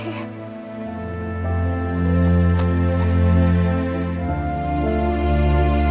ibu baper nasi baik